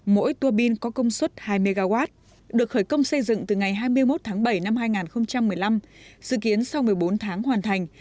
mỗi tua bin có công suất hai mw được khởi công xây dựng từ ngày hai mươi một tháng bảy năm hai nghìn một mươi năm dự kiến sau một mươi bốn tháng hoàn thành